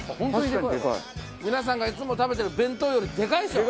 皆さんがいつも食べてる弁当よりでかいでしょ？